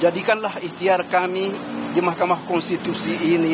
jadikanlah ikhtiar kami di mahkamah konstitusi ini